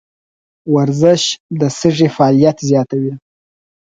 ورزش د سږي فعالیت زیاتوي.